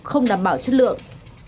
không đảm bảo chất lượng